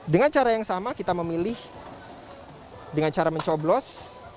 dengan cara yang sama kita memilih dengan cara mencoblos